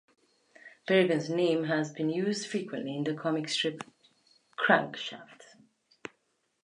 Berigan's name has been used frequently in the comic strip "Crankshaft".